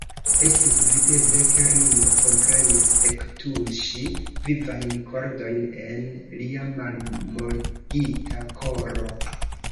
Estis videble, ke Ringo komprenis ektuŝi vivajn kordojn en lia malmoligita koro.